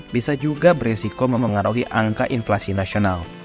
bisa juga beresiko memengaruhi angka inflasi nasional